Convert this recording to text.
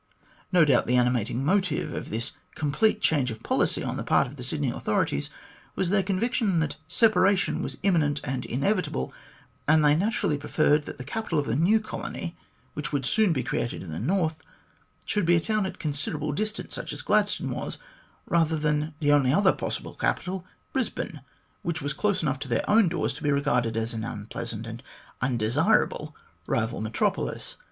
No doubt the animating motive of this complete change of policy on the part of the Sydney authorities was their conviction that separation was imminent and inevitable, and they naturally preferred that the capital of the new colony, which would soon be created in the north, should be a town at a considerable distance, such as Gladstone was, rather than the only other possible capital, Brisbane, which was close enough to their own doors to be regarded as an unpleasant and undesirable rival metropolis.